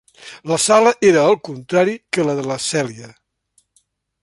La sala era el contrari que la de la Celia.